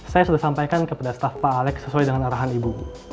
saya sudah sampaikan kepada staf pak alex sesuai dengan arahan ibu